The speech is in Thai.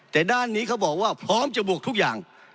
แต่ด้านนี้เขาบอกว่าพร้อมจะบวกทุกอย่าง